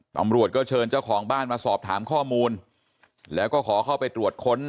ตำรวจก็เชิญเจ้าของบ้านมาสอบถามข้อมูลแล้วก็ขอเข้าไปตรวจค้น